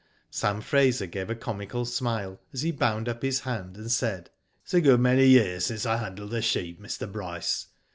Sam Fraser gave a comical smile, as he bound up his hand, and said :'* It is a good many years since I handled a sheep, Mr. Bryce.